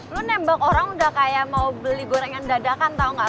lo nembak orang udah kayak mau beli goreng yang dadakan tau gak